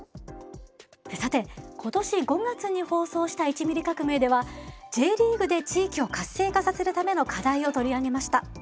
さて今年５月に放送した「１ミリ革命」ではＪリーグで地域を活性化させるための課題を取り上げました。